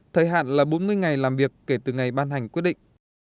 thời hạn là bốn mươi ngày làm việc kể từ ngày ban hành quyết định